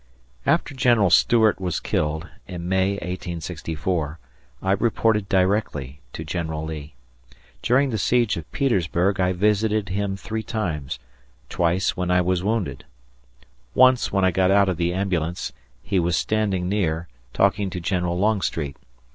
After General Stuart was killed, in May, 1864, I reported directly to General Lee. During the siege of Petersburg I visited him three times twice when I was wounded. Once, when I got out of the ambulance, he was standing near, talking to General Longstreet.